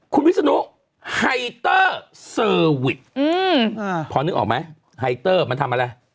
คุณวิศนุไฮเตอร์เซอร์วิสพอนึกออกไหมไฮเตอร์มันทำอะไร